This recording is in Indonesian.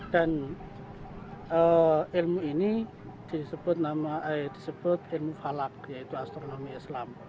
dan ilmu ini disebut ilmu falak yaitu astronomi islam